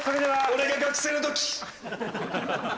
俺が学生のとき。